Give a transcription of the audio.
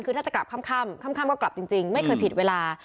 คือถ้าจะกลับค่ำค่ำก็กลับจริงไม่เคยผิดเวลา